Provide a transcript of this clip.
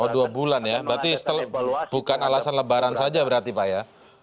oh dua bulan ya berarti bukan alasan lebaran saja berarti pak ya